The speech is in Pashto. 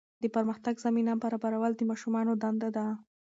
د پرمختګ زمینه برابرول د ماشومانو دنده ده.